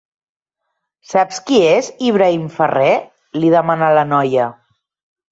Saps qui és Ibrahim Ferrer? —li demana la noia.